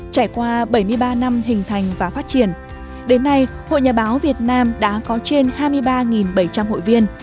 trải qua bảy mươi ba năm hình thành và phát triển đến nay hội nhà báo việt nam đã có trên hai mươi ba bảy trăm linh hội viên